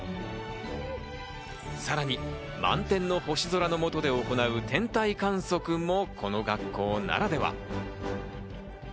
さらに満天の星空の下で行う天体観測もこの学校ならでは。